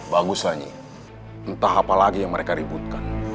bagus saja entah apa lagi yang mereka ributkan